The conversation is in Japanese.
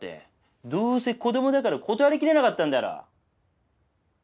どうせ子供だから断りきれなかったんだろ。